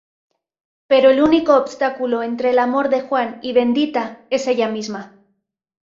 Pero el único obstáculo entre el amor de Juan y Bendita es ella misma.